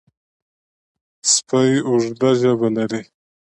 سپي اوږده ژبه لري.